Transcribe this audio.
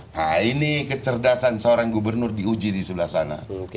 nah ini kecerdasan seorang gubernur diuji di sebelah sana